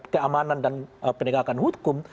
keamanan dan penegakan hukum